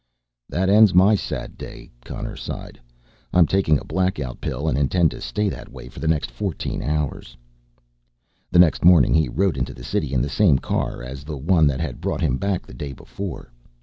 "That ends my sad day," Connor sighed. "I'm taking a blackout pill and intend to stay that way for the next fourteen hours." The next morning he rode into the city in the same car as the one that had brought him back the day before.